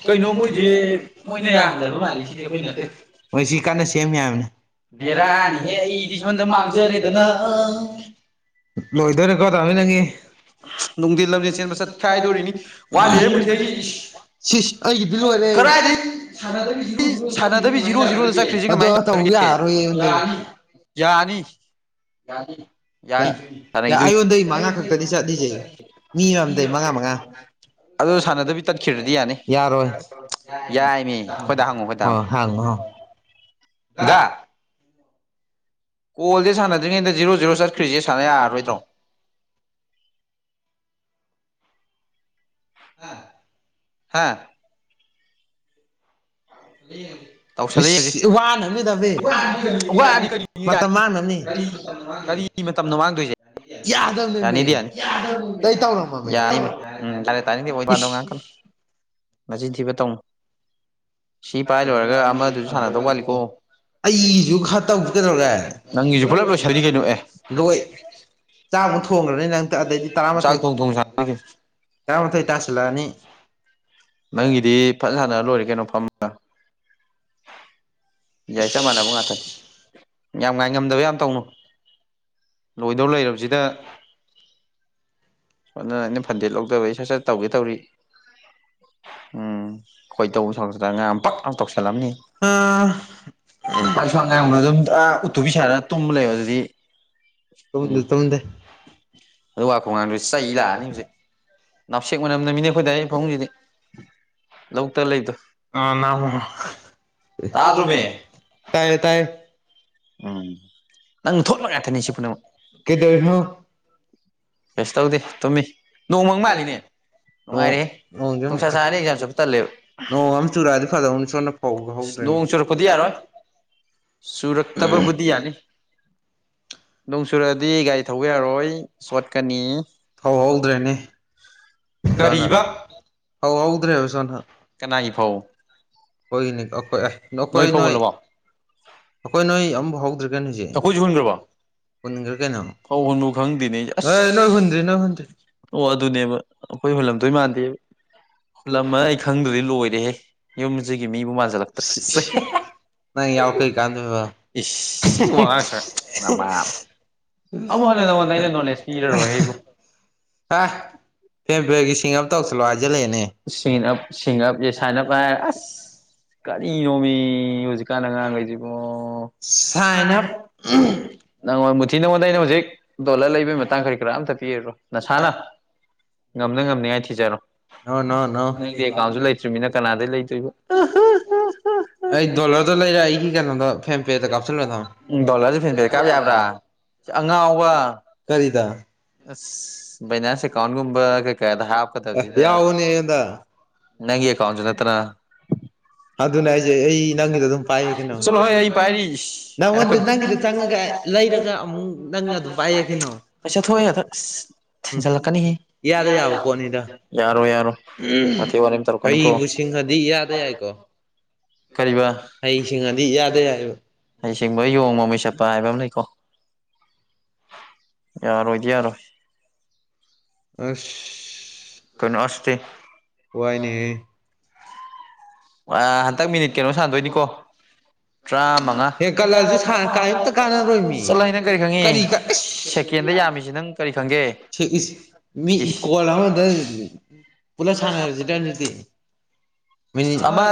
[inaudible] ꯀꯩꯅꯣ ꯀꯧꯅꫭ‌ ꯃꯣꯏꯁꯦ ꯃꯣꯏꯗꯤ ꯃꯣꯏꯅ ꯌꯥꯝꯗꯕ ꯌꯥꯍꯟꯗꯕ ꯃꯥꯜꯂꯤ ꯁꯤꯗꯤ ꯑꯈꯣꯏ ꯑꯩꯈꯣꯏ ꯅꯠꯇꯦ ꯅꯠꯇ‌ꯦ ꯃꯣꯏ ꯁꯤ ꯀꯥꯟꯅ ꯁꯦꯝꯃꯤ ꯍꯥꯏꯕꯅꯤ ꯕꯦꯔꯥꯅꯤꯍꯦ ꯕ‌ꯦꯔꯅꯤꯍ‌ꯦ ꯑꯩꯗꯤ ꯑꯩ ꯁꫭꯝꯗ ꯁꯣꯝꯗ ꯃꯥꯡꯖꯔꯦꯗꯅ ꯃꯥꯡꯖꯔ‌ꯦꯗꯅ ꯂꯣꯏꯗꯣ ꯔ‌ꯦꯀꯣ ꯗꯥꯃꯤ ꯅꯪꯒꯤ ꯅꯨꯡꯊꯤꯜ ꯂꯝꯖꯦꯟ ꯆꯦꯟꯕ ꯆꯠꯈꯥꯏꯗꯣꯔꯤꯅꯤ ꯋꯥꯠꯂꯤꯍꯦ ꯃꯨꯊꯤꯍꯩꯒꯤ ꯏꯁ [unintelligible] ꯁꯤꯁ ꯑꯩꯒꯤꯗꯤ ꯂꫭꯏꯔ‌ꯦ ꯀꯗꯥꯏꯗꯒꯤ ꯁꯥꯟꯅꯗꯕꯤ ꯖꯤꯔꯣ ꯖꯤꯔꯣꯗ ꯆꯠꯈ꯭ꯔꯤꯁꯦ ꯑꯗꯣ ꯀꯃꯥꯏꯅ ꯇꯧ ꯌꯥꯗꯣꯔꯤꯒꯦ ꯌꯥꯔꫭꯏ ꯑꯩꯉꫭꯟ ꯗꯗꯤ ꯌꯥꯅꯤ ꯌꯥꯅꯤ ꯌꯥꯅꯤ ꯁꯥꯟꯅꯈꯤꯗꯣꯏꯅꯤ ꯑꯩꯉꯣꯟꯗꯩꯒꯤ ꯃꯉꯥ ꯈꯛꯇꯗꯤ ꯆꯠꯂꯤꯁꯦ ꯃꯤ ꯌꯥꯝꯗ‌ꯦ ꯃꯉꯥ ꯃꯉꯥ ꯑꯗꯣ ꯁꯥꯟꯅꯗꯕꯤ ꯇꯠꯈꯤꯗ꯭ꯔꯗꯤ ꯌꯥꯅꯤ ꯌꯥꯔꯣꯏ ꯍꫭ ꯌꯥꯏꯃꯤ ꯑꯩꯈꯣꯏꯗ ꯍꯪꯉꫭ ꯍꯪꯉꯣ ꯑꯩꯈꯣꯏꯗ ꯍꯪꯉꯣ ꯍꯪꯉꫭ ꯗꯥ ꯀꯣꯜꯁꯤ ꯁꯥꯟꯅꯗ꯭ꯔꯤꯉꯩꯗ ꯖꯤꯔꯣ ꯖꯤꯔꯣ ꯆꯠꯈ꯭ꯔꯤꯁꯤ ꯁꯥꯟꯅ ꯌꯔꯔꯣꯏꯗ꯭ꯔꯣ ꯍꯥ ꯍꯥꯥ ꯌꯦꯉꯛꯀꯦ ꯇꯧꯁꯜꯂ ꯌꯦꯡꯁꯤ ꯏꯁ ꯋꯥꯅꯝꯅꯤ ꯗꯕꯤ ꯋꯥꯅꯤ ꯃꯇꯝ ꯃꯥꯡꯅꯝꯅꯤ ꯀꯔꯤꯒꯤ ꯃꯇꯝꯅꯣ ꯃꯥꯡꯗꯣꯏꯖꯦ ꯌꯥꯗꯝꯅꯦ ꯃꯤ ꯑꯩ ꯇꯧꯔꯝꯃꯝꯃꯦ ꯌꯥꯅꯤ ꯎꯝ ꯌꯥꯔꯦ ꯇꯥꯅꯤꯡꯗꯦ ꯋꯥꯗꯣ [unintelligible] ꯉꯥꯡꯉꯛꯀꯅꯨ ꯅꯆꯤꯟ ꯊꯤꯕ ꯇꯧꯅꯨ ꯁꯤ ꯄꯥꯏ ꯂꯣꯏꯔꯒ ꯑꯃꯗꯨꯁꯨ ꯁꯥꯟꯅꯗꯧ ꯋꯥꯠꯂꯤꯀꯣ ꯑꯩꯁꯨ ꯈꯔ ꯇꯧꯁꯤ ꯀꯩꯗꯧꯔꯒꯦ ꯅꯪꯒꯤꯁꯨ ꯄꯨꯂꯞ ꯂꯣꯏꯁꯤꯜꯂꯤ ꯀꯩꯅꯣ ꯑꯦ ꯂꯣꯏ ꯆꯥꯛꯃꯨꯛ ꯊꯣꯡꯈ꯭ꯔꯅꯤ ꯅꯪ ꯑꯗꯩꯗꯤ ꯆꯥꯛ ꯇꯔꯥꯃꯥꯊꯣꯏ ꯊꯣꯡ ꯊꫭꯡ ꯁꯥꯟ ꯅꯤ ꯇꯔꯥꯃꯥꯊꯣꯏ ꯇꯥꯁꯤꯜꯂꯛꯑꯅꯤ ꯅꯪꯒꯤꯗꯤ ꯐꯖ ꯁꯥꯟꯅ ꯂꯣꯏꯔꯦ ꯀꯩꯅꯣ ꯐꯝꯃꯒ ꯌꯥꯏ ꯆꯞ ꯃꯥꯟꯅꯕ ꯉꯥꯛꯇꯪ ꯌꯥꯝ ꯉꯥꯏ ꯉꯝꯗꯕ ꯌꯥꯝ ꯇꯧꯅꯨ ꯂꯣꯏꯗꯧ ꯂꯩꯔꯕꯁꯤꯗ ꯍꯣꯅ ꯑꯩꯅ ꯐꯟꯗꯦꯠ ꯂꯧꯗꯕꯩ ꯁꯠ ꯁꯠ ꯇꯧꯒꯦ ꯇꯧꯔꯤ ꯎꯝ ꯈꯣꯏꯗꯧꯍꯦꯛ ꯁꯥꯎꯅꯤꯂꯛꯇꯅ ꯑꯉꯥꯡ ꯑꯃ ꯄꯛ ꯂꯥꯎꯅ ꯇꯧꯁꯤꯜꯂꯝꯅꯤ ꯑꯥ ꯑꯉꯥꯡꯅ ꯑꯗꯨꯝ ꯎꯠꯇꯨꯕꯤ ꯁꯥꯔ ꯇꯨꯝꯕ ꯂꯩꯕ ꯑꯗꯨꯗꯤ ꯇꯨꯝꯗꯦ ꯇꯨꯝꯗꯦ ꯑꯗꯨꯒ ꯈꯣꯡꯅꯥꯥꯡꯗꯨ ꯆꯩ ꯂꯥꯛꯑꯅꯤ ꯍꯧꯖꯤꯛ ꯅꯥꯞꯁꯦꯛ ꯃꯅꯝꯅꯃꯤꯅꯦ ꯑꯩꯈꯣꯏ ꯗꯥꯏ ꯐꯃꯨꯡꯁꯤꯗꯤ ꯂꯧꯇ ꯂꯩꯗꯣ [unintelligible] ꯇꯥ ꯑꯗ꯭ꯔꫭꯃꯤ ꯇꯥꯏꯌꯦ ꯇꯥꯏꯌꯦ ꯎꯝ ꯅꯪꯅ ꯊꯣꯛꯍꯟꯕ ꯉꯥꯛꯇꯅꯤ ꯁꯤ ꯄꯨꯝꯅꯃꯛ ꯀꯩꯗꯧꯔꯤꯅꯣ ꯀꯩꯁꯨ ꯇꯧꯗꯦ ꯇꯨꯝꯃꯤ ꯅꯣꯡꯃꯪ ꯃꯥꯜꯂꯤꯅꯦ ꯅꯣꯡ ꯅꯨꯡꯉꯥꯏꯔꯦꯍ‌ꯦ ꯅꯣꯡꯁꯦ ꯑꯃꯨꯛ ꯅꯨꯡꯁꯥ ꯁꯥꯥꯔꯅꯤ ꯑꯦꯛꯖꯥꯝ ꯆꯠꯄ ꯇꯜꯂꯦꯕ ꯅꯣꯡ ꯑꯃ ꯆꯨꯔꯛꯑꯗꯤ ꯐꯗꯧꯅꯤ ꯁꯣꯝꯗ ꯐꯧꯒ ꯍꯧꯗ꯭ꯔꯦꯅꯦ ꯅꯣꯡ ꯆꯨꯔꯛꯄꯗꯤ ꯌꯥꯔꯣꯏ꯫ꯥ ꯆꯨꯔꯛꯇꯕꯕꯨꯗꯤ ꯌꯥꯅꯤ ꯅꫭꯡ ꯆꯨꯔ ꯗꯤ ꯒꯥꯔꯤ ꯊꯧꯕ ꯌꯥꯔꯣꯏ ꯆꫭꯠꯀꯅꯤ ꯐꯧ ꯍꯧꯗ꯭ꯔꯦꯅꯦ ꯁꯣꯝꯗ ꯀꯔꯤꯕ ꯐꯧ ꯍꯧꯗ꯭ꯔꯦꯕ ꯀꯅꯥꯒꯤ ꯄꯥꯎ ꯍꯣꯏꯅꯤ ꯈꯣꯏ ꯑꯈꯣꯏ ꯐꯧ ꯅꯣꯏ ꯍꯨꯜꯂꯕꯣ ꯑꯩꯈꯣꯏ ꯅꯣꯏ ꯑꯃꯐꯥꯎ ꯍꯧꯗ꯭ꯔꯦ ꯀꯩꯅꯣꯁꯦ ꯑꯩꯈꯣꯏꯁꯨ ꯍꯨꯟꯈ꯭ꯔꯕꯣ ꯄꯨꯟꯈ꯭ꯔꯦ ꯀꯩꯅꯣ ꯐꯧ ꯍꯨꯟꯕꯨ ꯈꯪꯗꯦꯅꯦ ꯑꯩꯁꯦ ꯑꯁ ꯍꯣꯏ ꯅꯣꯏꯍꯨꯟꯗ꯭ꯔꯤ ꯅꫭꯏꯍꯨꯟꯗ꯭ꯔꯤ ꯑꯣ ꯑꯗꯨꯅꯦꯕ ꯑꯈꯣꯏ ꯍꯨꯜꯂꯝꯗꯣꯏ ꯃꯥꯟꯗꯦꯕ ꯍꯨꯜꯂꯝꯃ ꯑꯩ ꯈꯪꯗ꯭ꯔꯗꯤ ꯂꯣꯏꯔꯦꯍꯦ ꯌꯨꯝꯖꯤꯒꯤ ꯃꯤꯕꯨ ꯃꯥꯟꯖꯜꯂꯛꯇ꯭ꯔꯦ ꯁꯤ [unintelligible] ꯅꯪ ꯌꯥꯎ ꯀꯩ ꯀꯥꯟꯗꯨꯕ [unintelligible] ꯁꯤ ꯋꯥꯉꯥꯡ ꯁꯉꯥꯡ ꯅꯃꯥ ꯑꯃꯨꯛ ꯍꯟꯅ ꯅꯉꯣꯟꯗ ꯑꯩꯅ ꯁꯥ [unintelligible] ꯑꯞ ꯇꯧꯁꯜꯂꯣ ꯍꯥꯏꯖꯜꯂꯛꯑꯦꯅꯦ ꯁꯤ ꯁꯤꯞ ꯁꯥꯏꯑꯞ ꯀ ꯑꯁ ꯀꯒꯥꯔꯤꯅꯣꯝꯃꯤ ꯍꯧꯖꯤꯛꯀꯥꯟꯗ ꯑꯉꯥꯡꯈꯩꯁꯤꯕꯣ ꯁꯥꯏꯟ ꯑꯞ ꯅꯪꯉꯣꯟ ꯃꯨꯊꯤ ꯅꯪꯉꯣꯟꯗ ꯑꯩꯅ ꯍꯧꯖꯤꯛ ꯗꯣꯂꯔ ꯂꯩꯕꯩ ꯃꯇꯥꯡ ꯀꯔꯤ ꯀꯔꯥ ꯑꯝꯇꯛ ꯄꯤꯔꯔꯣꯏ ꯅꯁꯥꯅ ꯉꯝꯅ ꯉꯝꯅꯤꯉꯥꯏ ꯊꯤꯖꯔꯣ ꯅꯣ ꯅꯣ ꯅꯣ ꯅꯪꯗꯤ ꯑꯦꯀꯥꯎꯟꯁꯨ ꯂꯩꯇ꯭ꯃꯤꯅ ꯀꯅꯥꯗꯩ ꯂꯩꯇꯣꯏꯕ ꯑꯩ ꯗꯣꯂꯔꯗ ꯂꯩꯔ ꯑꯩ ꯀꯩꯅ ꯐꯦꯗ ꯀꯥꯞꯁꯤꯜꯂ ꯎ ꯗꯣꯂꯔꯁ ꯐꯦꯟ ꯄꯔꯦ ꯀꯥꯕ ꯌꯥꯕ꯭ꯔꯥ ꯑꯉꯥꯎꯕ ꯀꯔꯤꯗ ꯑꯁ ꯚꯩꯅꯥꯟꯁ ꯑꯦꯀꯥꯎꯟꯒꯨꯝꯕ ꯀꯩꯀꯥꯗ ꯍꯥꯞꯀꯗꯕꯁꯤꯗ ꯌꯥꯎꯕꯅꯦ ꯑꯩꯉꯣꯟꯗ ꯅꯪꯒꯤ ꯑꯦꯀꯥꯎꯟꯁꯨ ꯅꯠꯇꯅ ꯑꯗꯨꯅꯦ ꯑꯩꯁꯦ ꯑꯩ ꯅꯪꯒꯤꯗ ꯑꯗꯨꯝ ꯄꯥꯏꯌꯦ ꯀꯩꯅꯣ ꯆꯂꯣ ꯍꯣ ꯑꯩ ꯄꯥꯏꯔꯤ ꯅꯪꯉꯣꯟꯗ ꯅꯪꯒꯤꯗ ꯆꯪꯉꯒ ꯂꯩꯔꯒ ꯑꯃꯨꯛ ꯅꯪ ꯑꯗꯨꯝ ꯄꯥꯏꯌꯦ ꯀꯩꯅꯣ ꯑꯁ ꯆꯥꯥꯠꯊꯣꯛꯍꯦ ꯑꯗ ꯑꯁ ꯎꯝ ꯊꯤꯟꯆꯜꯀꯅꯤ ꯏꯌꯥꯗ ꯌꯥꯕ ꯄꯣꯠꯅꯤꯗ ꯌꯥꯔꯣ ꯌꯔꯣꯏ ꯋꯊꯤ ꯋꯥꯔꯝ ꯇꯧꯔꯛꯀꯅꯨꯀꯣ ꯍꯩꯕꯨ ꯁꯤꯡꯉꯗꯤ ꯏꯌꯥꯗ ꯍꯩꯁꯤꯡꯉꯗꯤ ꯏꯌꯥꯗ ꯌꯥꯏꯑꯕ ꯍꯩꯁꯤꯡꯕ ꯌꯣꯡ ꯃꯃꯩ ꯆꯠꯄ ꯍꯥꯏꯕ ꯑꯃ ꯂꯩꯀꯣ ꯌꯥꯔꯣꯏꯗꯤ ꯌꯥꯔꯣꯏ ꯑꯁ ꯀꯩꯅꯣ ꯑꯁꯇꯤ ꯋꯥꯏꯅꯦꯍꯦ ꯑ ꯍꯟꯗꯛ ꯃꯤꯅꯤꯠ ꯀꯩꯅꯣ ꯁꯥꯟꯗꯣꯏꯅꯤꯀꯣ ꯇꯔꯥ ꯃꯉꯥ ꯍꯦꯛ ꯀꯠꯂꯁꯨ ꯁꯥꯟꯅ ꯀꯥꯏꯝꯇ ꯀꯥꯟꯅꯔꯣꯏꯃꯤ ꯆꯠꯂꯣꯍꯦ ꯅꯪ ꯀꯔꯤ ꯈꯪꯉꯤ ꯁꯦꯀꯦꯟꯗ ꯌꯥꯝꯃꯤꯁꯤ ꯅꯪ ꯀꯔꯤ ꯈꯪꯒꯦ ꯁꯤ ꯏꯁ ꯃꯤ ꯏꯁ ꯀꯣꯜ ꯑꯃꯗ ꯄꯨꯂꯞ ꯁꯥꯟꯅꯔꯁꯤꯗ ꯑꯗꯨꯗꯤ ꯃꯤꯅꯤꯠ ꯑꯃ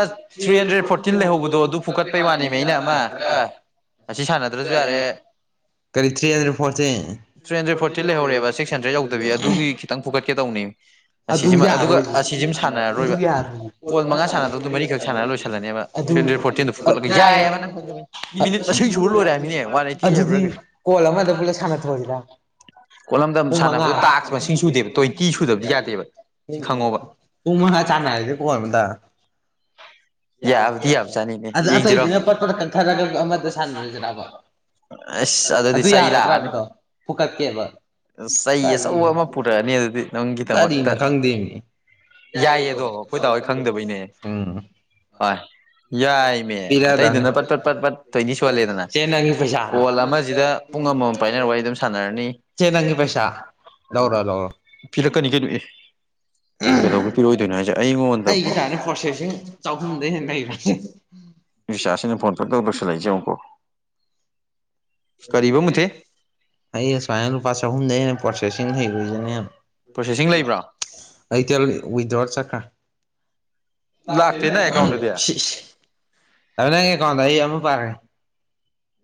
ꯊ꯭ꯔꯤ ꯍꯟꯗ꯭ꯔꯦꯗ ꯐꯣꯔꯇꯤꯟ ꯂꯩꯍꯧꯕꯗꯣ ꯑꯗꯨ ꯐꯨꯀꯠꯄꯩ ꯋꯥꯅꯤꯅꯦ ꯑꯩꯅ ꯑꯃ ꯑꯁꯤ ꯁꯥꯟꯅꯗ꯭ꯔꯁꯨ ꯌꯥꯔꯦ ꯀꯔꯤ three hundred fourteen three hundred forty ꯂꯩꯍꯧꯔꯦꯕ ꯁꯤꯛꯁ ꯍꯟꯗ꯭ꯔꯦꯗ ꯌꯧꯗꯕꯤ ꯑꯗꯨꯒꯤ ꯈꯤꯇꯪ ꯐꯨꯒꯠꯀꯦ ꯇꯧꯅꯦ ꯑꯗꯨ ꯑꯁꯤꯁꯤꯃ ꯌꯥꯔꯣꯏ ꯑꯗꯨꯒ ꯑꯁꯤꯁꯤꯃ ꯑꯗꯨ ꯁꯥꯟꯅꯔꯔꯣꯏꯕ ꯌꯥꯔꯣꯏ ꯀꯣ ꯃꯉꯥ ꯁꯅꯗꯕꯗꯗꯨ ꯃꯔꯤꯈꯛꯥꯟꯅꯔ ꯂꯣꯏꯁꯤꯜꯂꯅꯦꯕ ꯑꯗꯨ ꯊ꯭ꯔꯤꯟ꯭ꯔꯦꯗ ꯐꯣꯔꯇꯤꯟꯗ ꯐꯨꯀꯠꯂꯒ ꯌꯥꯏ ꯍꯥꯏꯕ ꯅꯪ ꯈꯪꯕꯅꯤ ꯃꯤꯅꯤꯠ ꯃꯁꯤꯡ ꯁꯨꯕ ꯂꯣꯏꯔꯦ ꯍꯥꯏꯃꯤꯅꯦ ꯋꯥꯟ ꯑꯩꯠꯇꯤ ꯍꯥꯏꯕ꯭ꯔꯥ ꯑꯗꯨꯗꯤ ꯀꯩꯅꯣ ꯀꯣꯜ ꯑꯃꯗ ꯄꯨꯂꯞ ꯁꯥꯟꯅꯊꯣꯛꯑꯁꯤꯔ ꯀꯣꯠꯂꯝꯗꯝ ꯄꯨꯡ ꯁꯥꯟꯅꯕꯗꯣ ꯇꯥꯛꯁ ꯃꯁꯤꯡ ꯁꯨꯗꯦꯕ ꯇ꯭ꯋꯦꯟꯇꯤ ꯁꯨꯗꯕ ꯇꯨꯡꯃ ꯆꯥꯟꯅ ꯍꯥꯏꯗꯤ ꯀꯣꯏꯗ ꯌꯥ ꯌꯥꯕꯗꯤ ꯌꯥꯕ ꯆꯥꯅꯤꯅꯦ ꯑꯗ ꯌꯦꯡꯁꯤꯔꯣ ꯑꯇꯩꯗꯨꯅ ꯄꯠꯄꯗ ꯀꯟꯊꯔꯒ ꯑꯃꯗ ꯁꯥꯟꯅꯔꯣꯏꯁꯤꯔꯕ ꯑꯁ ꯑꯗꯨꯗꯤ ꯑꯗꯨ ꯆꯩ ꯂꯥꯛꯑꯅꯤ ꯌꯥꯒꯗ꯭ꯔꯕꯗꯣ ꯐꯨꯀꯠꯀꯦꯕ ꯆꯩ ꯇꯥꯏ ꯑꯆꯧꯕ ꯑꯃ ꯄꯨꯔꯛꯑꯅꯤ ꯑꯗꯨꯗꯤ ꯀꯔꯤꯅꯣ ꯅꯪꯒꯤꯗꯃꯛꯇ ꯈꯪꯗꯦꯃꯤ ꯌꯥꯏꯌꯦ ꯑꯗꯣ ꯑꯩꯈꯣꯏ ꯗꯥ ꯍꯣꯏ ꯈꯪꯗꯕꯩꯅꯦ ꯎꯝ ꯍꯣꯏ ꯌꯥꯏꯃꯦ ꯄꯤꯔꯛꯑꯗꯝꯅꯤ ꯑꯇꯩꯗꯨꯅ ꯄꯠ ꯄꯠ ꯄꯠ ꯄꯠ ꯇꯣꯏꯅꯤ ꯁꯣꯜꯂꯦꯗꯅ ꯆꯦ ꯅꯪꯒꯤ ꯄꯩꯁꯥꯅꯤ ꯀꯣꯜ ꯑꯃꯁꯤꯗ ꯄꯨꯡ ꯑꯃꯃꯝ ꯄꯥꯏꯅꯔ ꯋꯥꯔꯤ ꯑꯗꯨꯝ ꯁꯥꯟꯅꯔꯅꯤ ꯆꯦ ꯅꯪꯒꯤ ꯄꯩꯁꯥ ꯂꯧꯔꯣ ꯂꯧꯔꯣ ꯄꯤꯔꯛꯀꯅꯤ ꯀꯩꯅꯣ ꯑꯦ ꯀꯩꯗꯧꯕ ꯄꯤꯔꯛꯏꯗꯣꯏꯅꯣ ꯍꯥꯏꯁꯦ ꯑꯩꯉꯣꯟꯗ ꯑꯩ ꯏꯁꯥꯅ ꯄ꯭ꯔꯣꯁꯦꯁꯤꯡ ꯆꯍꯨꯝꯗ ꯍꯦꯟꯅ ꯂꯩꯕ꯭ꯔꯦ ꯅꯨꯆꯥꯁꯤꯅ ꯐꯣꯟꯗ ꯇꯧꯗꯧꯁꯤꯜꯂꯛꯏꯁꯦ ꯑꯃꯨꯛꯀꯣ ꯀꯔꯤꯕꯔꯤꯕ ꯃꯨꯊꯤ ꯑꯩ ꯁꯨꯃꯥꯏꯅ ꯂꯨꯄꯥ ꯆꯍꯨꯝꯗꯒꯤ ꯍꯦꯟꯅ ꯄ꯭ꯔꯣꯁꯦꯁꯤꯡ ꯍꯩꯔꯣꯏꯁꯤꯅꯦꯕ ꯄ꯭ꯔꯣꯁꯦꯁꯤꯡ ꯂꯩꯕ꯭ꯔꯣ ꯑꯇꯦꯜ ꯋꯤꯗ꯭ꯔꯣꯔ ꯆꯠꯈꯥ ꯂꯥꯛ ꯂꯥꯛꯇꯦꯅ ꯑꯦꯀꯥꯎꯟꯗꯗꯤ ꯑꯗꯨꯃꯤꯅ ꯀꯦ ꯀꯗ ꯑꯩ ꯌꯥꯝꯃ ꯄꯥꯔꯒꯦ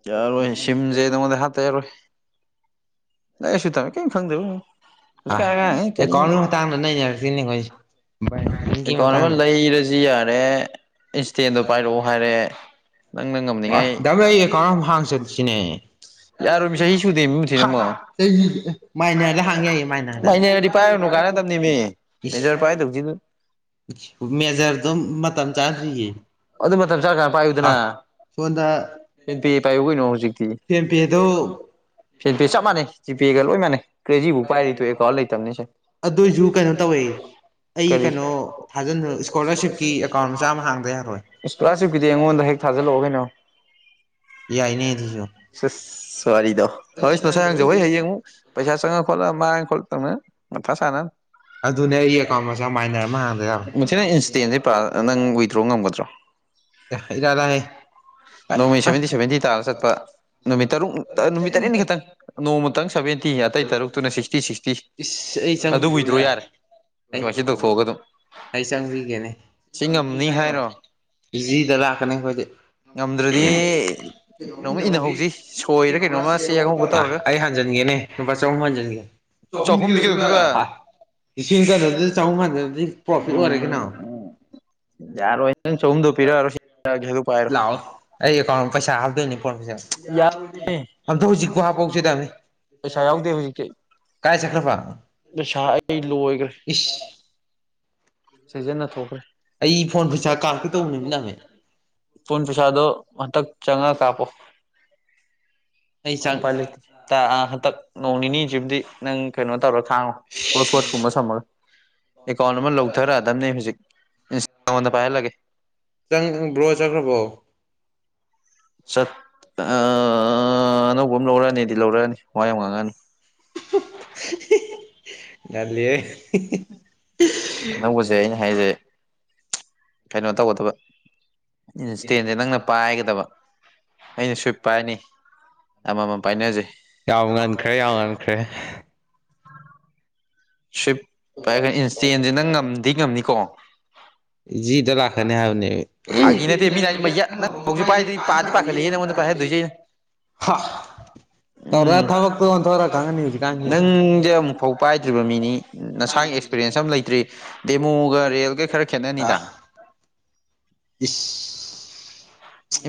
ꯌꯥꯔꯣꯏ ꯁꯤꯝꯁꯦ ꯅꯪꯉꯣꯟꯗ ꯍꯥꯇ ꯌꯥꯔꯣꯏ ꯂꯩꯁꯨ ꯇꯝꯃꯦ ꯀꯩꯝ ꯈꯪꯗꯦꯕ ꯑ ꯀ ꯑꯉ ꯑꯦꯀꯥꯎꯟꯒꯤ ꯃꯇꯥꯡꯗ ꯅꯩꯅꯔꯛꯇꯣꯏꯅꯦ ꯑꯩꯈꯣꯏꯁꯦ ꯀ ꯕꯦꯡꯀꯤꯡꯒꯤ ꯀꯅꯕ ꯃꯇꯥꯡꯗ ꯂꯩ ꯔꯖꯤꯌꯥ ꯍꯥꯏꯔꯦ ꯏꯟꯁꯇꯦꯟꯗꯣ ꯄꯥꯏꯔꯛꯑꯣ ꯍꯥꯏꯔꯦ ꯅꯪꯅ ꯉꯝꯅꯤꯉꯥꯏ ꯌꯥꯝ ꯍꯥꯡ ꯆꯠꯁꯤꯅꯦ ꯌꯥꯔꯣꯏꯃꯤ ꯆꯍꯤ ꯁꯨꯗꯦꯃꯤ ꯃꯨꯊꯤ ꯅꯪꯕꯣ ꯆꯍꯤ ꯃꯥꯏꯅꯂ ꯍꯥꯡ ꯌꯥꯏꯌꯦ ꯃꯥꯏꯅ ꯃꯥꯏꯅꯦꯔꯗꯤ ꯄꯥꯏꯔꯨꯅꯨ ꯀꯥꯟꯅꯗꯕꯅꯤꯃꯤ ꯃꯦꯖꯔ ꯄꯥꯏꯗꯧꯁꯤ ꯃꯦꯖꯔꯗꯨꯝ ꯃꯇꯝ ꯆꯥꯗ꯭ꯔꯤꯌꯦ ꯑꯗꯨ ꯃꯇꯝ ꯆꯔ ꯀꯥꯟꯅ ꯑ ꯄꯥꯏꯌꯨꯗꯅ [unintelligible] ꯐꯦꯟ ꯄꯦ ꯄꯥꯏꯌꯨ ꯀꯅꯣ ꯍꯧꯖꯤꯛꯇꯤ ꯐꯦꯝꯄꯦꯗꯣ ꯐꯦꯟ ꯄꯦ ꯆꯞ ꯃꯥꯟꯅꯩ ꯖꯤꯄꯦꯒ ꯂꯣꯏ ꯃꯥꯟꯅꯩ ꯀ꯭ꯔꯦꯖꯤꯕꯨ ꯄꯥꯏꯔꯤ ꯇꯨ ꯑꯦ ꯀꯥꯎꯟ ꯂꯩꯇꯝꯅꯤ ꯑꯁꯦ ꯑꯗꯨꯏꯁꯨ ꯀꯩꯅꯣ ꯇꯧꯋꯦ ꯑꯩ ꯀꯔꯤ ꯀꯩꯅꯣ ꯊꯥꯖꯟꯗ ꯏꯁꯀꯣꯂꯥꯔꯁꯤꯞꯀꯤ ꯑꯦꯀꯥꯎꯟ ꯃꯆꯥ ꯑꯃ ꯍꯥꯡꯗ ꯌꯥꯔꯣꯏ ꯏꯁꯀꯣꯂꯔꯁꯤꯞꯀꯤꯗꯤ ꯑꯩꯉꯣꯟꯗ ꯍꯦꯛ ꯊꯥꯖꯤꯜ ꯍꯧꯔꫭ ꯀꯩꯅꯣ ꯌꯥꯏꯅꯦ ꯑꯗꯨꯁꯨ ꯁꯤꯁ ꯋꯥꯔꯤꯗꯣ ꯍꯣꯏꯁ ꯅꯁꯥꯅ ꯍꯦꯡꯖꯧ ꯍꯩ ꯍꯌꯦꯡ ꯑꯃꯨꯛ ꯄꯩꯁꯥ ꯆꯪꯉ ꯈꯣꯂ ꯃꯥꯥꯏ ꯈꯣꯂ ꯇꯧꯅ ꯃ ꯊ ꯁꯥꯟꯅ ꯑꯗꯨꯅꯦ ꯑꯩ ꯑꯦꯀꯥꯎꯟ ꯃꯆꯥ ꯃꯥꯏꯅꯔ ꯑꯃ ꯍꯥꯡꯗ ꯌꯥꯔꯣꯏ [unintelligible] ꯏꯁꯇꯦꯟꯁꯦꯔꯥ ꯅꯪ ꯋꯤꯗ꯭ꯔꯣ ꯉꯝꯒꯗ꯭ꯔꯣ [unintelligible] ꯇ ꯆꯠ ꯅꯨꯠꯔꯨ ꯅꯨꯃꯤꯠ ꯇꯔꯦꯠ ꯅꯣꯡꯃꯇꯪ ꯁꯚꯦꯟꯇꯤ ꯑꯇꯩ ꯇꯔꯨꯛꯇꯨꯅꯛꯇꯤ ꯐꯤ ꯏꯁ ꯑꯩ ꯆꯪ ꯑꯗꯨ ꯎꯨꯏꯗ꯭ꯔꯣ ꯌꯥꯔꯦ ꯑꯩ ꯁꯃꯥꯏꯁꯤ ꯇꯧꯊꯣꯛꯑꯒ ꯑꯗꯨꯝ ꯑꯩ ꯆꯪꯕꯤꯒꯦꯅꯦ ꯁꯤ ꯉꯝꯅꯤ ꯍꯥꯏꯔꯣ ꯖꯤꯗ ꯂꯥꯛꯀꯅꯤ ꯑꯩꯈꯣꯏꯗꯤ ꯉꯝꯗ꯭ꯔꯗꯤ ꯀꯩꯅꯣꯝꯃ ꯏꯟꯅꯍꯧꯁꯤ ꯁꯣꯏꯔ ꯀꯩꯅꯣꯝꯃ ꯆꯦꯛ ꯑꯉꯧꯕ ꯑ ꯇꯧꯔꯒ ꯑꯩ ꯍꯥꯟꯖꯟꯒꯦꯅꯦ ꯂꯨꯄꯥ ꯆꯍꯨꯝ ꯍꯟꯖꯟꯒꯦ ꯨꯝ ꯆꯍꯨꯝꯗꯤ ꯀꯩꯗꯧꯗꯣꯏꯕ ꯂꯤꯁꯤꯡ ꯀꯩꯅꯣꯗꯨꯗꯤ ꯆꯍꯨꯝ ꯀꯥꯟꯗꯗꯤ ꯄ꯭ꯔꯣꯐꯤꯠ ꯎꯝ ꯑꯣꯏꯔꯦ ꯀꯩꯅꯣ ꯌꯥꯔꯣꯏ ꯍ ꯅꯪ ꯆꯍꯨꯝꯗꯣ ꯄꯤꯔꯛꯔꯣ ꯂꯥꯛꯑꯣ ꯑꯩ ꯀꯣꯟ ꯄꯩꯁꯥ ꯍꯥꯞꯇꯣꯏꯅꯦ ꯄꯣꯔꯃꯤꯁꯦ ꯌꯥꯔꯦ ꯑꯝꯇ ꯍꯧꯖꯤꯛꯀꯨ ꯍꯥꯄꯥꯎꯁꯤꯗꯕꯅꯤ ꯄꯩꯁꯥ ꯌꯥꯎꯗꯦ ꯍꯧꯖꯤꯛꯇꯤ ꯄꯩꯁꯥ ꯑꯩ ꯂꯣꯏꯈ꯭ꯔꯦ ꯏꯁ [inaudible] ꯁꯤꯖꯤꯟꯅ ꯊꯣꯛꯈ꯭ꯔꯦ ꯑꯩ ꯐꯣꯟ ꯄꯩꯁꯥ ꯀꯥꯔꯛꯀꯦ ꯇꯧꯕ ꯅꯨꯃꯤ ꯅꯃꯦ ꯄꯨꯟ ꯄꯁꯥꯗꯣ ꯍꯟꯇꯥꯛ ꯆꯪꯉꯒꯥ ꯀꯥꯄꯣ ꯑꯩ ꯆꯪ ꯄ ꯍꯟꯗꯛ ꯅꯣꯡ ꯅꯤꯅꯤꯁꯤꯕꯨꯗꯤ ꯅꯪ ꯀꯩꯅꯣ ꯇꯧꯔ ꯁꯥꯡ ꯀꯣꯁꯄꯠ ꯀꯨꯝꯕꯁ ꯑꯃ ꯑꯦꯀꯥꯎꯟ ꯑꯃ ꯂꯧꯊꯔꯛꯑꯗꯕꯅꯤ ꯍꯧꯖꯤꯛ ꯏꯟꯁꯇꯥꯣꯟꯗ ꯄꯥꯏꯍꯜꯂꯒꯦ ꯆꯪꯪ ꯕ꯭ꯔꯣ ꯆꯠꯈ꯭ꯔꯕꯣ ꯑꯅꯧꯕ ꯑꯃ ꯂꯧꯔꯛꯑꯅꯤꯗꯤ ꯂꯧꯔꯛꯑꯅꯤ ꯋꯥ ꯌꯥꯝ ꯉꯥꯡꯉꯅꯤꯨ ꯉꯜꯂꯤꯍꯦ ꯑꯅꯧꯕꯁꯦ ꯑꯩꯅ ꯍꯥꯏꯁꯦ ꯀꯩꯅꯣ ꯇꯧꯒꯗꯕ ꯏꯟꯁꯇꯦꯟꯁꯦ ꯅꯪꯅ ꯄꯥꯏꯒꯗꯕ ꯑꯩꯅ ꯁꯨꯋꯤꯞ ꯄꯥꯏꯔꯅꯤ ꯑꯃꯃꯝ ꯄꯥꯏꯅꯖꯩ ꯌꯥꯝ ꯉꯟꯈ꯭ꯔꯦ ꯌꯥꯝ ꯉꯟꯈ꯭ꯔꯦ ꯁꯋꯤꯞ ꯄꯥꯏꯒ ꯏꯟꯁꯇꯦꯟꯁꯤ ꯅꯪ ꯉꯝꯗꯤ ꯉꯝꯅꯤꯀꯣ ꯖꯤꯗ ꯂꯥꯛꯀꯅꯤ ꯍꯥꯏꯕꯅꯦ ꯐꯥꯒꯤ ꯅꯠꯇꯦ ꯃꯤꯅ ꯍꯥꯏꯁꯦ ꯃꯌꯥ ꯅꯪ ꯍꯧꯖꯤꯛ ꯄꯥꯏꯗꯤ ꯄꯥꯗꯤ ꯄꯥꯈꯠꯂꯦꯍꯦ ꯅꯪꯉꯣꯟꯗ [unintelligible] ꯄꯥꯏꯍꯟꯗꯣꯏꯁꯦ ꯑꯩꯅ ꯍꯥ ꯇꯧꯔ ꯎꯝ ꯊꯕꯛꯇꯣ ꯑꯣꯟꯊꯣꯔ ꯈꯪꯉꯅꯤ ꯍꯧꯖꯤꯛꯀꯥꯟꯁꯤ ꯅꯪꯗꯤ ꯑꯃꯨꯛꯐꯥꯎ ꯄꯥꯏꯗ꯭ꯔꯤꯕ ꯃꯤꯅꯤ ꯅꯁꯥ ꯑꯦꯛꯁꯄꯤꯔꯦꯟꯁ ꯑꯃ ꯂꯩꯇ꯭ꯔꯤ ꯗꯦꯃꯣꯒ ꯔꯤꯌꯦꯜꯒ ꯈꯔ ꯈꯦꯠꯅꯅꯤꯗ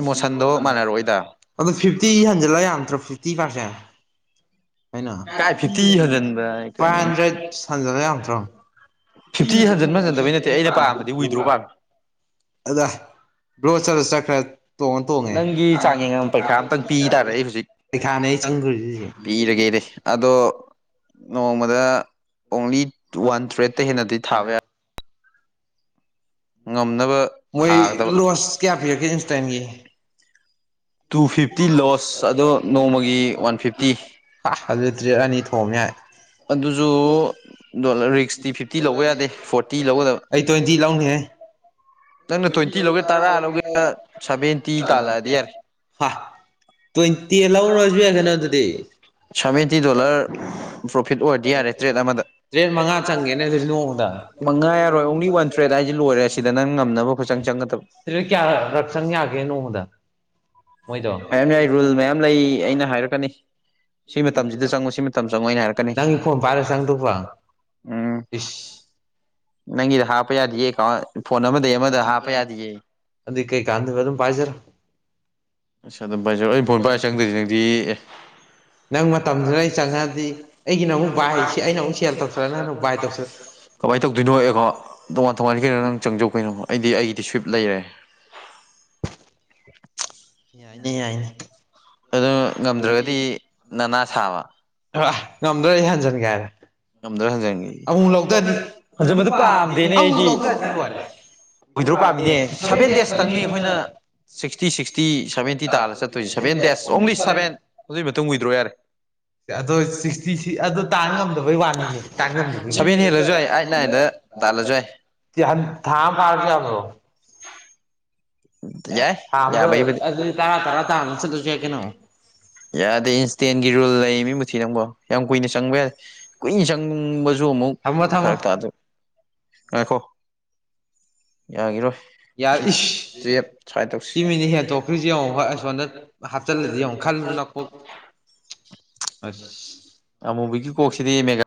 ꯏꯃꯣꯁꯟꯗꯣ ꯃꯥꯟꯅꯔꯛꯑꯣꯏꯗ ꯑꯗꯨ ꯐꯤꯐꯇꯤ ꯍꯟꯖꯤꯜꯂ ꯌꯥꯝꯠꯇ꯭ꯔꯣ ꯐꯤꯐꯇꯤ ꯐꯁꯦ ꯑꯩꯅ ꯀꯥꯏ ꯐꯤꯐꯇꯤ ꯍꯟꯖꯤꯟꯕ ꯐꯥꯏꯚ ꯍꯟꯗ꯭ꯔꯦꯗ ꯁꯟꯖꯜꯂ ꯌꯥꯝꯠꯇ꯭ꯔꯣ ꯐꯤꯐꯇꯤ ꯍꯟꯊꯟ ꯍꯟꯖꯤꯟꯕ ꯍꯟꯖꯤꯟꯗꯕꯩ ꯍꯟꯦ ꯅꯠꯇꯦ ꯑꯩꯅ ꯄꯥꯝꯕꯗꯤ ꯋꯤꯗ꯭ꯔꯣ ꯄꯗꯣꯗꯣꯛ꯭ꯔ ꯄꯥꯝꯃꯤ ꯑꯗ ꯕ꯭ꯔꯣꯁꯔ ꯆꯀ꯭ꯔ ꯇꯣꯡꯉꯦ ꯇꯣꯉꯦ ꯅꯪꯒꯤ ꯆꯥꯡ ꯌꯦꯡꯉ ꯄꯩꯈꯥ ꯑꯝꯇꯪ ꯄꯤ ꯇꯥꯔꯦ ꯑꯩ ꯍꯧꯖꯤꯛ ꯄꯩꯈꯥꯅꯦ ꯑꯩ ꯆꯪꯗꯣꯢꯁꯤꯁꯦ ꯄꯤꯔꯒꯦꯗꯤ ꯑꯗꯣ ꯅꯣꯡꯃꯗ ꯑꯣꯡꯂꯤ ꯋꯥꯟ ꯇ꯭ꯔꯦꯠꯇꯩ ꯍꯦꯟꯅꯗꯤ ꯊꯥꯕ ꯌꯥ ꯉꯝꯅꯕ ꯃꯣꯏ ꯊꯥꯒꯗꯕ ꯂꯣꯁ ꯀꯌꯥ ꯄꯤꯔꯛꯀꯦ ꯏꯟꯁꯇꯦꯟꯒꯤ ꯇꯨ ꯐꯤꯐꯇꯤ ꯂꯣꯁ ꯑꯗꯣ ꯅꯣꯡꯃꯒꯤ ꯋꯥꯟ ꯐꯤꯐꯇꯤ ꯍꯥ ꯑꯗꯨ ꯇꯔꯦꯠ ꯑꯅꯤ ꯊꯣꯝ ꯌꯥꯏ ꯑꯗꯨꯁꯨ ꯗꯣꯂꯔ ꯔꯤꯛꯁꯇꯤ ꯐꯤꯐꯇꯤ ꯂꯧꯕ ꯌꯥꯗꯦ ꯐꯣꯔꯇꯤ ꯂꯧꯒꯗꯕ ꯑꯩ ꯇ꯭ꯋꯦꯟꯇꯤ ꯂꯧꯅꯤꯍꯦ ꯅꯪꯅ ꯇ꯭ꯋꯦꯟꯇꯤ ꯂꯧꯒꯦ ꯇꯔꯥ ꯂꯧꯒꯦ ꯁꯕꯦꯟꯇꯤ ꯇꯥꯜꯂꯛꯑꯗꯤ ꯌꯥꯔꯦ ꯍꯥ ꯇ꯭ꯋꯦꯟꯇꯤ ꯂꯧꯔꯁꯨ ꯌꯥꯏ ꯀꯩꯅꯣ ꯑꯗꯨꯗꯤ ꯁꯚꯦꯟꯇꯤ ꯗꯣꯂꯔ ꯄ꯭ꯔꯣꯐꯤꯠ ꯑꯣꯏꯔꯗꯤ ꯌꯥꯔꯦ ꯇ꯭ꯔꯦꯠ ꯑꯃꯗ ꯇ꯭ꯔꯦꯠ ꯃꯉꯥ ꯆꯪꯒꯦꯅꯦ ꯑꯗꯨ ꯅꯣꯡꯗ ꯃꯉꯥ ꯌꯥꯔꯣꯏ ꯑꯣꯡꯂꯤ ꯋꯥꯟ ꯊ꯭ꯔꯦꯗ ꯍꯥꯏꯁꯦ ꯂꯣꯏꯔꯦ ꯁꯤꯗ ꯅꯪ ꯉꯝꯅꯕ ꯈꯣꯢꯆꯪ ꯆꯪꯒꯗꯕ ꯀꯌꯥ ꯔꯛ ꯆꯪ ꯌꯥꯒꯦ ꯅꯣꯡꯃꯗ ꯃꯣꯏꯗꯣ ꯃꯌꯥꯝ ꯌꯥꯏ ꯔꯨꯜ ꯃꯌꯥꯝ ꯂꯩ ꯑꯩꯅ ꯍꯥꯏꯔꯛꯀꯅꯤ ꯁꯤ ꯃꯇꯝꯁꯤꯗ ꯆꯪꯉꯨ ꯁꯤ ꯃꯇꯝ ꯆꯪꯉꯣ ꯑꯩꯅ ꯍꯥꯏꯔꯛꯀꯅꯤ ꯅꯪ ꯐꯣꯟ ꯄꯥꯏꯔ ꯆꯪꯗꯧꯕ ꯎꯝ ꯏꯁ ꯅꯪꯒꯤꯗ ꯍꯥꯞꯄ ꯌꯥꯗꯤꯌꯦ ꯑꯦꯀꯥꯎꯟ ꯐꯣꯟ ꯑꯃꯗꯒꯤ ꯑꯃꯗ ꯍꯥꯞꯄ ꯌꯥꯗꯤꯌꯦ ꯑꯗꯨ ꯀꯩꯀꯥꯟꯗꯣꯢꯕ ꯑꯗꯨꯝ ꯄꯥꯏꯖꯔꯣ ꯑꯆꯥ ꯑꯗꯨꯝ ꯚꯥꯏꯖꯔꯑꯣ ꯑꯩ ꯐꯣꯟ ꯄꯥꯏꯔ ꯆꯪꯗꯣꯏꯁꯤ ꯅꯪꯗꯤ ꯅꯪ ꯃꯇꯝꯗꯨꯗ ꯑꯩ ꯆꯪꯉꯑꯗꯤ ꯑꯩꯒꯤꯅ ꯑꯃꯨꯛ ꯕꯥꯏ ꯁꯤ ꯑꯩꯅ ꯑꯃꯨꯛ ꯁꯦꯜ ꯇꯧꯁꯤꯂ ꯅꯪꯅ ꯕꯥꯏ ꯇꯧꯁꯤꯔꯛ ꯀꯃꯥꯏꯅ ꯇꯧꯗꯣꯏꯅꯣ ꯑꯩ ꯑꯦꯀꯥꯎꯟ ꯇꯣꯉꯥꯟ ꯇꯣꯉꯥꯟ ꯀꯩꯅꯣ ꯅꯪ ꯆꯪꯖꯧ ꯀꯩꯅꯣ ꯑꯩꯗꯤ ꯑꯩꯒꯤꯗꯤ ꯁ꯭ꯋꯤꯞ ꯂꯩꯔꯦ ꯌꯥꯏꯅꯦ ꯌꯥꯏꯅꯦ ꯑꯗꯨ ꯉꯝꯗ꯭ꯔꯒꯗꯤ ꯅꯅꯥ ꯁꯥꯕ ꯑꯥ ꯉꯝꯗ꯭ꯔꯗꯤ ꯑꯩ ꯍꯟꯖꯤꯟꯒꯦ ꯍꯥꯏꯔꯦ ꯉꯝꯗ꯭ꯔ ꯍꯟꯖꯟꯒꯦ ꯑꯃꯨꯛ ꯂꯧꯗꯅꯤ ꯍꯟꯖꯟꯕꯗꯨ ꯄꯥꯝꯗꯦꯅꯦ ꯑꯃꯨꯛ ꯑꯩꯗꯤ ꯂꯧꯗꯅꯤ ꯂꯣꯏꯔꯦ ꯋꯣꯗ꯭ꯔꯣ ꯄꯥꯝꯃꯤꯁꯦ ꯁꯚꯦꯟ ꯗꯦꯖꯇꯪꯅꯤ ꯑꯩꯈꯣꯏꯅ ꯁꯤꯛꯁꯇꯤ ꯁꯤꯛꯁꯇꯤ ꯁꯚꯦꯟꯇꯤ ꯇꯥꯔ ꯆꯠꯇꯣꯏꯁꯦ ꯁꯚꯦꯟ ꯗꯦꯁ ꯑꯣꯡꯂꯤ ꯁꯚꯦꯟ ꯑꯗꯨꯒꯤ ꯃꯇꯨꯡ ꯋꯤꯗ꯭ꯔꯣ ꯌꯥꯔꯦ ꯑꯗꯣ ꯁꯤꯛꯁꯇꯤ ꯑꯗꯣ ꯇꯥꯟ ꯉꯝꯗꯕꯩ ꯋꯥ ꯇꯥꯟ ꯉꯝꯗ ꯁꯚꯦꯟ ꯍꯦꯜꯂꯁꯨ ꯌꯥꯏ ꯑꯥꯏꯠ ꯅꯥꯏꯟꯗ ꯇꯥꯜꯂꯁꯨ ꯌꯥꯏ [unintelligible] ꯌꯥꯎꯟ ꯊꯥ ꯑꯝ ꯐꯥꯔꯁꯨ ꯌꯥꯗ꯭ꯔꯣ ꯌꯥꯏ ꯊꯥ ꯑꯝꯗ ꯌꯥꯕꯩꯕꯨꯗꯤ ꯑꯗꯨꯗꯤ ꯇꯔꯥ ꯇꯔꯥ ꯇꯥꯅ ꯆꯠꯂꯁꯨ ꯌꯥꯏ ꯀꯩꯅꯣ ꯌꯥꯗꯦ ꯏꯟꯁꯇꯦꯟꯒꯤ ꯔꯨꯜ ꯂꯩ ꯃꯤ ꯃꯨꯊꯤ ꯅꯪꯕꯣ ꯌꯥꯝ ꯀꯨꯏꯅ ꯆꯪꯕ ꯌꯥꯏ ꯀꯨꯏ ꯆꯪꯕꯁꯨ ꯑꯃꯨꯛ ꯊꯝꯃꯣ ꯊꯝꯃꯣ ꯐꯔꯛ ꯇꯥꯗ ꯉꯥꯏꯈꯣ ꯌꯥꯒꯤꯔꯣꯏ ꯌꯥ ꯏꯁ ꯇꯨꯌꯦꯞ ꯁ꯭ꯋꯥꯏ ꯇꯧꯁꯤ ꯁꯤ ꯃꯤꯅꯤ ꯍꯦꯟꯇꯣꯛꯈ꯭ꯔꯤꯁꯤ ꯌꯦꯡꯉꯨ ꯍꯣꯏ ꯁꯣꯝꯗ ꯍꯥꯞꯆꯤꯂꯗꯤ ꯌꯦꯡꯉꯨ ꯈꯜꯂꯨ ꯅꯀꯣꯛ ꯑꯁ ꯑꯃꯨꯕꯤꯒꯤ ꯀꯣꯛꯁꯤꯗꯦ ꯃꯦꯒ